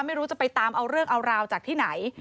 ไม่รู้จะไปตามเอาเรื่องเอาราวจากที่ไหน